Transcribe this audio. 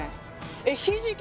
えっひじき